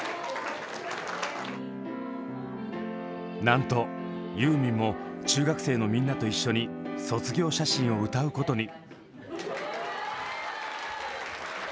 なんとユーミンも中学生のみんなと一緒に「卒業写真」を歌うことに。